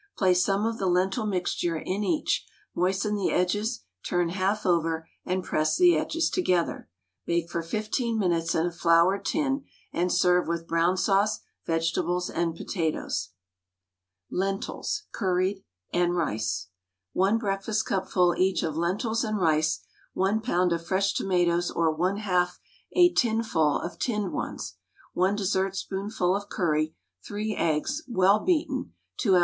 Place some of the lentil mixture in each, moisten the edges, turn half over, and press the edges together. Bake for 15 minutes in a floured tin, and serve with brown sauce, vegetables, and potatoes. LENTILS (CURRIED), AND RICE. 1 breakfastcupful each of lentils and rice, 1 lb. of fresh tomatoes or 1/2 a tinful of tinned ones, 1 dessertspoonful of curry, 3 eggs, well beaten, 2 oz.